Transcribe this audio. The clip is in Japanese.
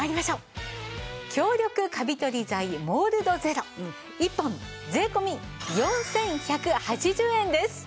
強力カビ取り剤モールドゼロ１本税込４１８０円です。